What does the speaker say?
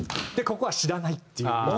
ここは知らないっていう一番。